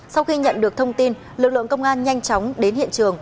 sau khi nhận được thông tin lực lượng công an nhanh chóng đến hiện trường